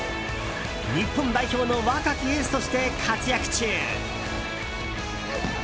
日本代表の若きエースとして活躍中。